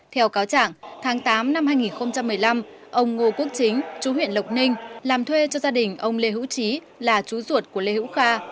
theo cáo chẳng tháng tám năm hai nghìn một mươi năm ông ngô quốc chính chú huyện lộc ninh làm thuê cho gia đình ông lê hữu trí là chú ruột của lê hữu kha